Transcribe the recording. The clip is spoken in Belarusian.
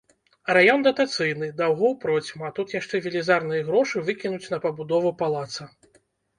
Раён датацыйны, даўгоў процьма, а тут яшчэ велізарныя грошы выкінуць на пабудову палаца.